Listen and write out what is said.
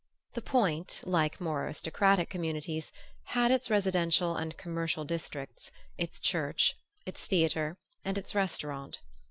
The Point, like more aristocratic communities, had its residential and commercial districts, its church, its theatre and its restaurant.